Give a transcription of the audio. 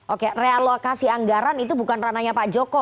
oke realokasi anggaran itu bukan rananya pak joko